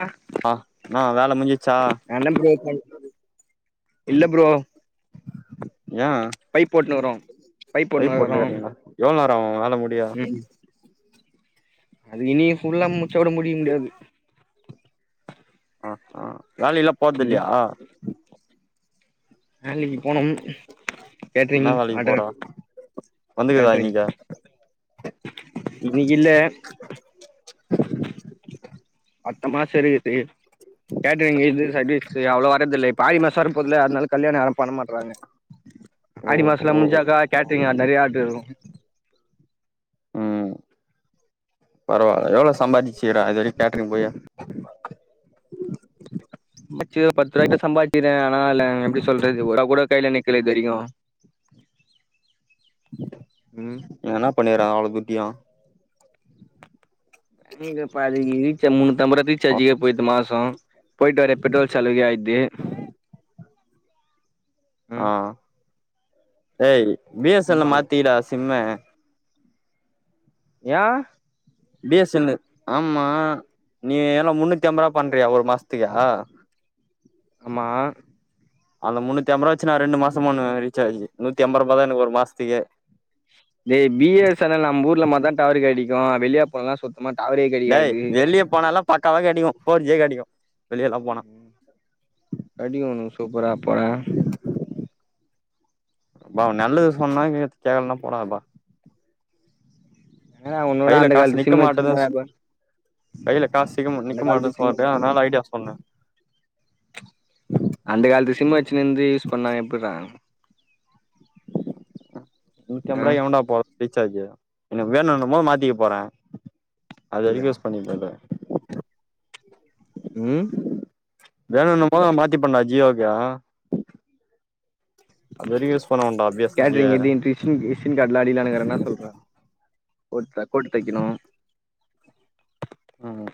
அ ஆ நா வேல முஞ்சிச்சா என்ன ப்ரோ பண்ருது இல்ல ப்ரோ ஏ பைப்போட்னுக்றோ பைப் போட்டுக்றீங்ளா எவ்ள் நேரோ ஆவு வேல முடிய ம் அது இனியூ ஃபுல்லா முச்சா கூட முடிக் முடியாது ஆ ஆ வேலயெல்லா ம் போற்தில்யா வேலக்கி போனும் கேட்ரிங் என்ன வேலைக்கு போற ஆடர் வந்துக்குதா கேட்ரிங் இன்னைக்கு இன்னிக்கில்ல அத்த மாசோ இருக்குறது கேட்ரிங் இது சர்வீஸூ அவ்ளோ வரதில்லய் பாதி மாசோ வர போதுல்ல அத்னால கல்யாணம் பண்ணமாட்றாங்க ஆடி மாசலா ஓஹோ முஞ்சாக்கா கேட்ரிங்கா நெறயா ஆட்ரு இருக்கூ ம் பரவால எவ்ளோ சம்பாறிச்சுக்குற இது வரையி கேட்ரிங் போய பச்சியோ பத்து ரூவாய்ட்ட சம்பாச்சிறே ஆனா ல எப்டி சொல்றது ஒரா கூட கைல நிக் க்ளை தெரியூ ம் எனா பண்ணிறே அவ்ளோ குத்தியூ எங்க பாதிகிரீச்ச மூண்ணூதம்பர ரீச்சாஜிகே போய்த்து மாசோ போய்ட்டு வர பெட்ரோல் செலவுக்கே யாய்த்து ம் ஆ ஏய் என்ன பிஎஸ்எல்ல பண்ல மாத்திகெடா சிம்மு யா பி எஸ் எல்லு ஆம்மா நீ ஏனா முன்னூத்தி அம்பர்வா பண்றியே ஒரு மாஸ்த் த்தியா ஆமா அந்த முன்னூத்திஅம்பராவாச்சு நா ரெண்டு மாசோமோண்ணு ரீச்சாயி நூத்திஅம்பருபாதா எனக்கு ஒரு மாஸ்த்திகே ஏ பி எஸ் ஸெனல் நம்மூர்ல மாதா டவரு கெடைக்கூ வெளிய போன்லா சுத் மா டவறே கெ டய் வெளியபோனாலா பக்காவா கெடைக்கூ போர்ஜி கெடைக்கூ வெளியலா போனா கடிக்கூ ஒன்க்கு சூப்பரா போடா ப்பா அவ் நல்லது சொன்னா கேட்டனா போடாப்பா அ உன்னோட கையில அந்த கால்த்து சிம்ம வச்சுருந்தாப்பே கைய்ல காசிக்கம் நிக்க மாட்டே சிம் சொல்லாப்பியா வச்சிருந்தே அனால் ஐடியா சொன்ன அந்த காலத்து சிம் வச்சுனுந்து யூஸ் பண்ணா எப்புர்றா நூத்தி ஆ அம்பருவா எவண்டா போற் ரீசார்ஜூ எனக்கு வேணுனும்போ மாத்திக்க போறே அதுவரிக்கி இல்லையா யூஸ் பண்ணிக்கல ம் வேணுனும்போது நா மாத்திப்பண்ணா ஜியோக்கு ஆ அது வரைக்கு யூஸ் பண்ணுவோன்டா பியஸ்னல் பி கேட்ரிங் வேற இது [inaudible] விசிங் விசிங் கார்டுலா அடிக்கலானுக்கிறே என்ன சொல்ற கோட் டக்கோட்டு தெக்கணூ ம்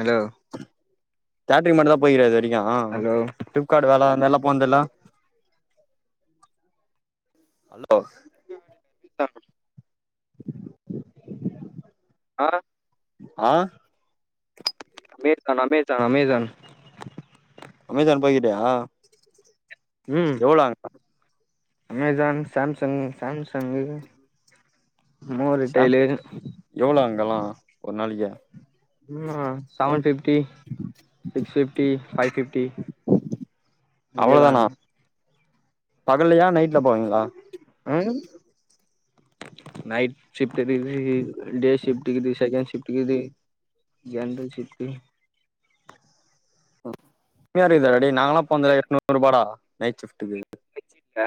அடோ காட்ரி மட்டுதா போயிற ஹலோ இதுவரையு க்காடு வேல வந்தா போந்துலா அலோ [unintelligible] [inaudible] ஆ ஆ அமேர்த்தான் அமேஜா அமேஜான் அமேஜான் போய்க்கிட்டயா ம் போலாங் அமேஜான் சாம்சங் சாம்சங்கு மோரு டெய்லு ஒர் நாளிக்கா உம்மா seven fifty six fifty five fifty இதேதா பகல்லயா நைட்ல போவீங்களா உம் நைட் ஷிப்ட் இக்குது டேஷிப்ட் இக்குது செகண் ஷிப்ட் இக்குது எந்த ஷிப்ட்டு அ மியா ருக்தடா டே நாங்கல்லா போன்துல எட்நூ ருபாடா நைட் ஷிப்ட்டுக்கு வெச்சிட்ட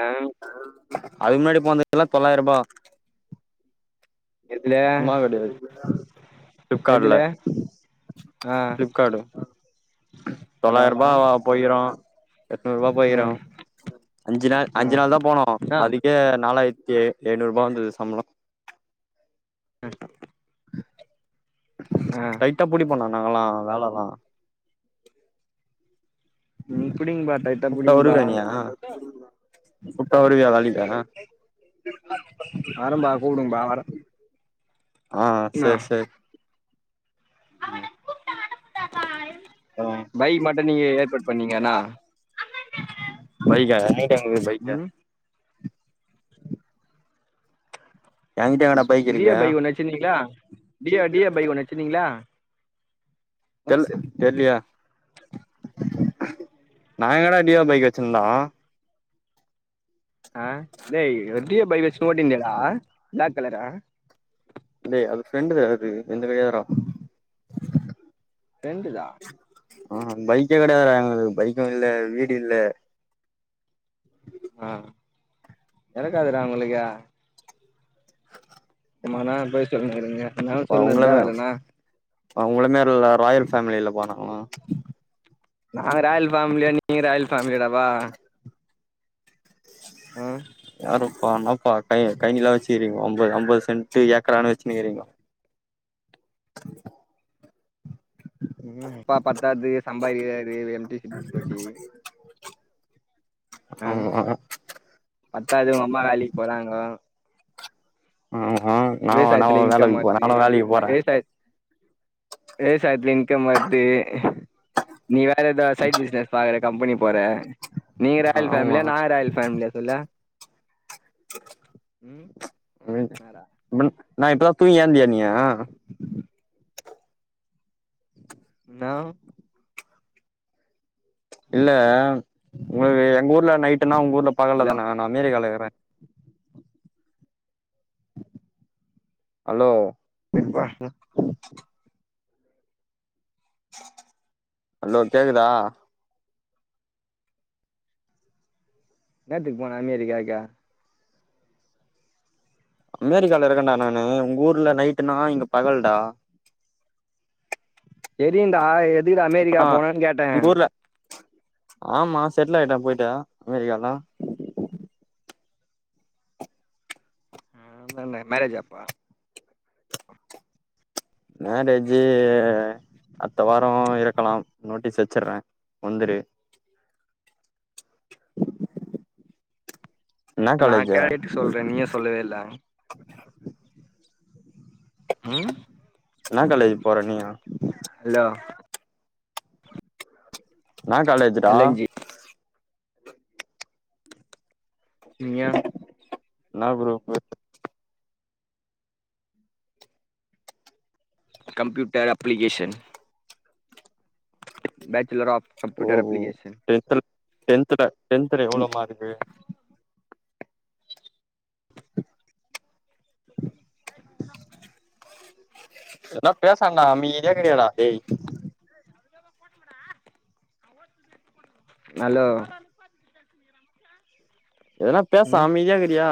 அதுக்கு முன்னாடி போன்து எல்லா தொள்ளாய் ருபா எதுல உம்மா கெடையாத் ப்ளிப்காட்ல எதுல ஆ ஃப்ளிப்காடு பரவால தொள்ளாய்ருபா போய்கிறோ எட்நூ ருபா போய்கிறோ ம் அஞ்சி நாள் ஆ அஞ்சி நாள் தா போனோ ஆ அதுக்கே நாலாய்த்தே ஏநூருபா வந்தது சம்பளோ ம் டைட்டா புடிப்போனா நாங்கல்லா வேல தா ம் புடிங்பா டைட்டா கூப்ட்டா புடிங்பா உட்டா வருவியா வேலைக்காஅ வரம்பா கூப்டுங்பா வர ஆ சே சே பை மட்டு நீங்க ஏற்பாட் பண்ணிங்கன்னா பைக்கா நைட் [unintelligible] பைக்க ம் என்கிட்ட எங்கடா டியோ இருக்கு பைக் ஒன்னு வச்சுந்நீங்ளா டியோ டியோ பைக் ஒன்னு வச்சுந்நீங்ளா தெல் தெர்லியே நா எங்கடா டியோ பைக் வெச்சிந்நா அ டெய்யோ டியோ பைக் வெச்னு ஓட்டிந்தியேடா ப்ளாக் கலரா டேய் அது ஃப்ரெண்டுடா அது எந்த கையாரோ ரெண்டுதா ம் பைக்கே கெடையாதா எங்களுக் பைக்கு இல்ல வீடில்ல ஆ கெடக்காதுடா உங்களிக்கா உமானா பொய் சொல்லினுகிறிங்க இன்னாவ் சொன்னத்தா வேலன்னா அவ்ங்ள மார் இல்ல ராயல் ஃபேமிலில போனா ஊ நாங்க ராயல் ஃபேமிலியா நீங்க ராயல் ஃபேிமிலியா டபா ம் யாருப்பா என்னாப்பா டை கைனிதா வெச்சிறீங்கோ ஒம்பது அம்பது சென்ட்டு ஏக்கரானு வெச்ன்னுகிறீங்கோ ம் அப்பா பத்தாததுக்கு சம்பாரிக்கிராரு யம்ட்டி சிபாஸ் பெட்டி ஆ ஆமா பத்தாது உங்கம்மா வேலிக் போறாங்கோ ம் ம் நாவ் நாவ் விவசாயத்துல இன்கம் வேலைக்கு போற வருது ஆ நா வேலைக்கு போற வேசாயத்ல இன்கம் வர்தே நீ வா வேற ஏதாவ் சைட் பிசினஸ் பாக்கற கம்பனி போற நீங்க ராயல் ஆமா ஃபேம்ல்யா நா ராயல் ஃபேம்லியா சொல்லு உம் வேற மில்க் நா இப்பதா தூங்கியாந்தியா நீயா நவ் இல்ல ஒங்களுக்கு எங்க ஊர்ல நைட்டன்னா உங்க ஊர்ல பகல்ல ஹலோ தான நா அமெரிக்காலா இறே அலோ பிப்பா ம் ஹலோ கேக்குதா என்னாத்துக்கு போனா அமெரிக்காக்கு அமெரிக்கால இருக்கன்டா நானு உங்க ஊர்ல நைட்டுனா இங்க பகல்டா தெரியுண்டா எ இப்ப ஆ உங்க ஊர்ல ஆமா செட்ல் ஆயிட்டே போய்ட்டு அமெரிக்காலா ம் வந்தோனே மேரேஜாப்பா மேரேஜூ அ டுத்த வாரோ இருக்கலா நோட்டீஸ் வச்சுறே வந்துரு என்னா நா காலேஜு கேட்டு சொல்ற நீயே சொல்லவே இல்ல ம் என்னா காலேஜ் போற நீயு ஹலோ என்னா காலேஜ் டா எல் என் ஜி நீயா என்னா group computer application bachelor of ஓ கம்ப்யூட்டர் ஓ அப்ளிகேஷன் டென்த்ல டென்த்ல டென்த்ல எவ்ளோ மார்க்கு எதுனா பேசண்டா அமைதியா இருக்றியடா டேய் ஹலோ எதுனா பேச ம் அமைதியா இருக்றியா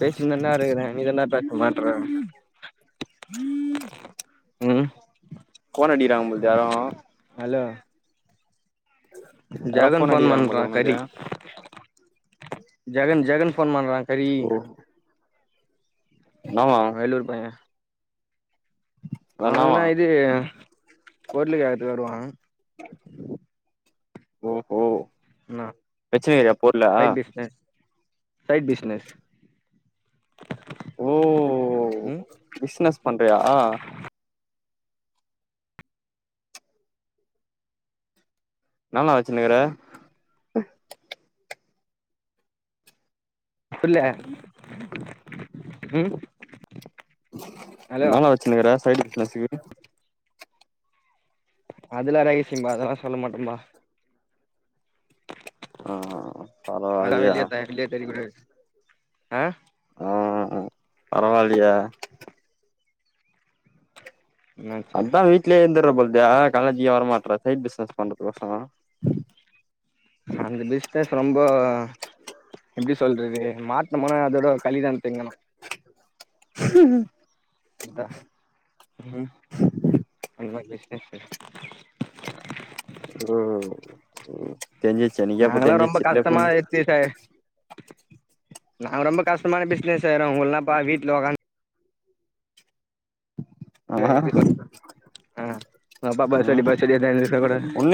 பேசின் தான்டா இருக்றே நீதாண்ட பேச மாட்ற ம் ஃபோன் அடிக்றாங்க போல்து யாரும் ஹலோ யாரோ ஜகன் ஃபோன் அடிக்கிறாங்க பண்றா போல கறி உனக்கு ஜகன் ஜகன் ஃபோன் பண்றா கறி என்னவா வேலூர் பையே அவுனுக்கு என்னாவா என்னா இது பொருளு கேக்கறதுக்கு வருவா ஓஹோ என்னா வெச்சினு இருக்ரிய பொர்ளா சைட் பிஸ்னஸ் சைட் பிஸ்னஸ் ம் பிஸ்னஸ் பண்றியா என்னான்னா வச்சுனுக்ற புர்ல ம் ஹலோ என்னான்னா வச்சுனுக்ற சைடு பிஸ்னஸ்க்கு அதெல்லா ரகசியம்ப்பா அதெல்லா சொல்ல மாட்டேன்ப்பா ஆ அதா பரவால்லியே வெளிய தெ வெளிய தெரிய கூடாது ஆ [inaudible] பரவால்லையே என்னாச்சு அதா வீட்லயே இருந்துட்ற பொழ்தே காலேஜ்க்கே வரமாட்டேற சைட் பிசினஸ் பண்றதுக் ஒசரோ அந்த பிஸ்னஸ் ரொம்போ எப்டி சொல்றது மாட்டினமுனா அதோட களிதா திங்கணு ம் [unintelligible] ம்ஹ்ம் அந்த மாரி பிஸ்னஸ்க்கு ப்ரோ [unintelligible] நாங்களா ரொம்ப கஷ்டமா இருத்திடுட் நாங்க ரொம்ப கஷ்டமான பிஸ்னஸ் செய்ரோ உங்கள் என்னப்பா வீட்ல உக்காந் து ஆ எப்டி சொல் அ [unintelligible]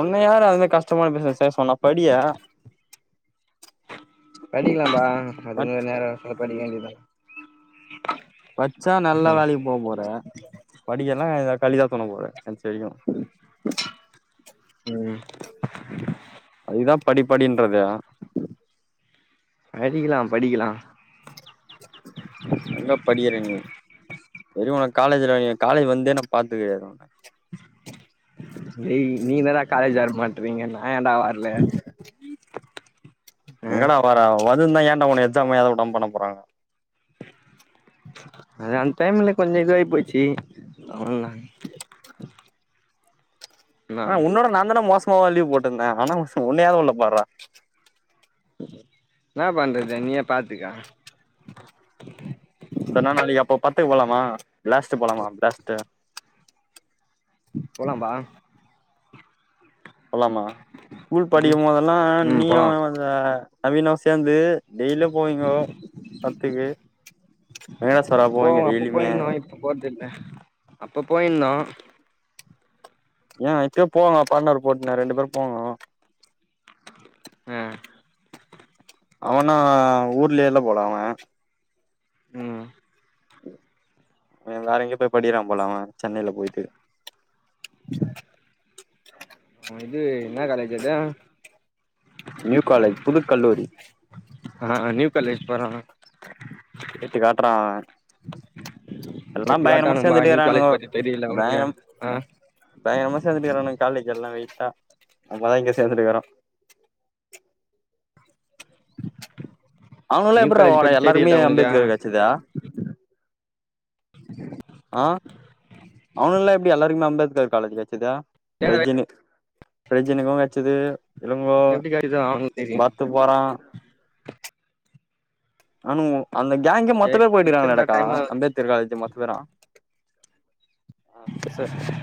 ஒண்ண யாரு அது மாரி கஷ்டமான பிஸ்னஸ் செய்ய சொன்னா படியே படிக்கலாந்த அதுக்குனு ஒரு நேர‌ வர்றசொல்ல படிக்க வேண்டியத படிச்சா நல்லா வேலைக்கு போ போற படிக்கலைன என்ன களிதா துண்ண போற கடைசி வரைக்கிம் ம் அதுக்தா படிப்படின்றது படிக்கலா படிக்கலா [inaudible] எங்க படிக்கிற நீ இதுவெரியு உனக்கு காலேஜ்ல நீ காலேஜ் வந்தே நா பாத்தது கெடையாது உன்ன டேய் நீங்க தா டா காலேஜ் வர மாட்டறீங்க நா ஏன்டா வர்ல ஆ எங்கடா வர வந்திருந்த ஏன்டா உன்ன எக்ஸாம்‌ எழுத விடாம பண்ண போறாங்க அது அந்த டைம்ல கொஞ்ச இதுவாயி போச்சு அவ்ளோதா என்னா ஆனா உன்னோட நாந்தன மோசமாவ லீவ் போட்டே ஆனா உன்னே ஏய்த்த உள்ள பார்றா என்ன பண்றது நீயே பாத்துக்க செர் என்னா நாளைக்கு அப்ப படத்துக்கு போலாமா பிளாஸ்ட் போலாமா பிளாஸ்ட்டு போலாம்பா போலாம ஸ்கூல் படிக்கு ம் போதெல்லா ம் நீயு போலா அந்த நவீனு சேந்து டெய்லி போவீங்கோ படத்துக்கு வெங்கடேஸ்வர போவீங்க டெய்லியுமே ப்ப போறதில்ல அப்ப போயிந்தோ ஏன் இப்பயு போங்க பாட்னர் போட்டு ரெண்டு பேரு போங்க ம் அவனு ஊர்லயே இல்ல போல அவ ம் வேற எங்கயே போய் படிக்றா போல அவ சென்னையில போய்ட்டு இது என்னா காலேஜ் அது [inaudible] நியூ காலேஜ் புதுக்கல்லூரி ஆனா நியூ காலேஜ் போற கிரேட்டு காட்றா அவ எல்லா எட்டு பயங்கரம காட்டானும்பா சேந்துட்டு நியூ காலேஜ் இருக்கிறாணுவோ பத்தி தெரியல அவனுக்கு பயங்கரம் ஆ பயங்கரம்மா சேந்துட்டுக்கிறானுங்க காலேஜ் எல்லா வெயிட்டா நம்ம தாஇங்க சேந்துட்டுக்கிறோ அவுனுஎல்லா நியூ காலேஜ் எப்பர்ற பத்தி எல்லாருமே தெரியல அவனுக்கு அம்பேத்கர் கட்சிதா என்ன அ அவனுங்கெல்லா எப்டி எல்லாருக்குமே அம்பேத்கர் காலேஜ் கெடச்சுது பைஜினு பைஜினுக்கு கெடச்சது இளங்கோ எப்டி காட்டுதோ அவனுக்கு தெரியு பர்த்து போறா அவ்னுங்கோ அந்த கேங்கே மொத்த எ பேர் எச்சருண்டா போயிட்டுக்காங்கடாக்கா டைமா வச்சு அம்பேத்கர் காலேஜ் மத் த பேரும் [inaudible]